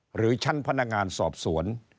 หรือชั้นพนักงานสอบสวน